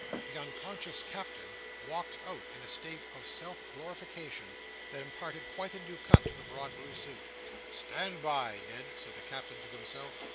The unconscious Captain walked out in a state of self glorification that imparted quite a new cut to the broad blue suit. "Stand by, Ned!" said the Captain to himself.